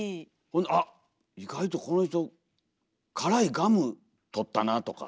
「あっ意外とこの人からいガムとったな」とか。